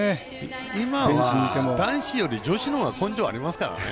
今は男子より女子のほうが根性ありますからね。